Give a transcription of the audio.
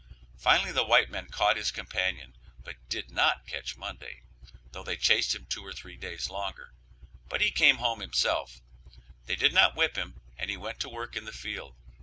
Finally the white men caught his companion, but did not catch Monday, though they chased him two or three days longer, but he came home himself; they did not whip him and he went to work in the field.